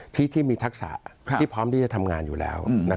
ที่มีทักษะที่พร้อมที่จะทำงานอยู่แล้ว